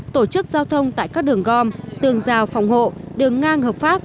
tổ chức giao thông tại các đường gom tường rào phòng hộ đường ngang hợp pháp